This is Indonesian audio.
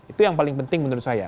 itu yang paling penting menurut saya